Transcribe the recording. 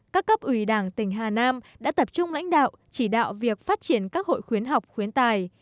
các cấp ủy đảng tỉnh hà nam đã tập trung lãnh đạo chỉ đạo việc phát triển các hội khuyến học khuyến tài